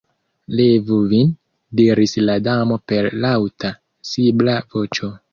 "Levu vin," diris la Damo per laŭta, sibla voĉo.